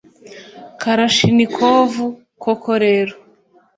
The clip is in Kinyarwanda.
kalashinikovu koko rero,